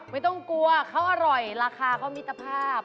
ไม่ต้องกลัวเขาอร่อยราคาเขามิตรภาพ